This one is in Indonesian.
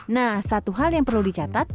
nah satu hal yang perlu dicatat